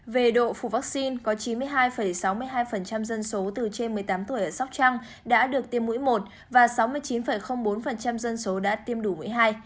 về độ phủ vaccine có chín mươi hai sáu mươi hai dân số từ trên một mươi tám tuổi ở sóc trăng đã được tiêm mũi một và sáu mươi chín bốn dân số đã tiêm đủ mũi hai